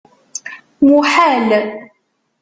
Muḥal!